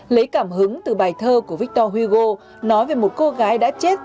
lấy cảm hứng từ bài thơ của victor hugo nói về một cô gái đã chết